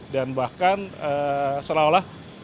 dan bahkan setelah olah